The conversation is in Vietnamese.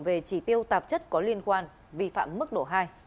về chỉ tiêu tạp chất có liên quan vi phạm mức độ hai